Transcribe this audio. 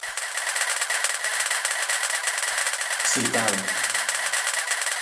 sí tal.